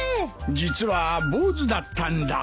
実はボウズだったんだ。